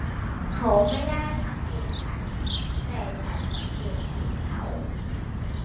เขาไม่ได้สังเกตฉัน แต่ฉันสังเกตเห็นเขา